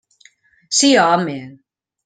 Sí, home!